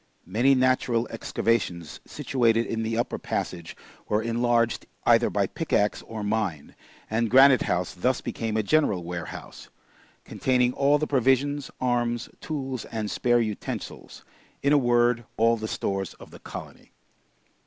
Many natural excavations situated in the upper passage were enlarged either by pick axe or mine, and Granite House thus became a general warehouse, containing all the provisions, arms, tools, and spare utensils in a word, all the stores of the colony.